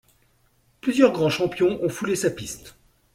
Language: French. Plusieurs grands champions ont foulé sa piste.